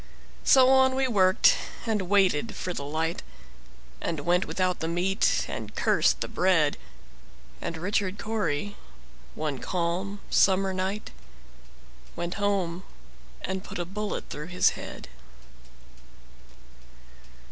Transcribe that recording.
So on we worked, and waited for the light, And went without the meat, and cursed the bread; And Richard Cory, one calm summer night, Went home and put a bullet through his head.